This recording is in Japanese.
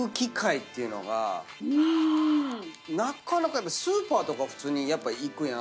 なかなかスーパーとかは普通にやっぱ行くやん。